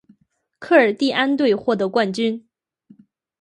科林蒂安队获得冠军。